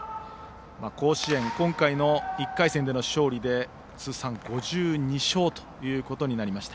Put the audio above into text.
甲子園、今回の１回戦での勝利で通算５２勝となりました。